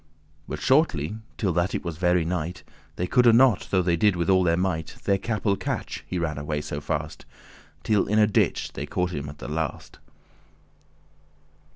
*catch But shortly, till that it was very night They coulde not, though they did all their might, Their capel catch, he ran alway so fast: Till in a ditch they caught him at the last.